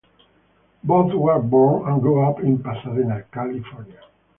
Both were born and grew up in Pasadena, California.